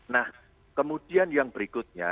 nah kemudian yang berikutnya